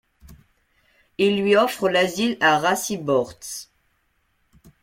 Il lui offre l’asile à Racibórz.